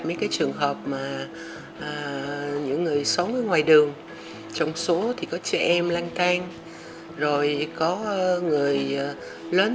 những trường hợp mà những người sống ở ngoài đường trong số thì có trẻ em lăn tan rồi có người lớn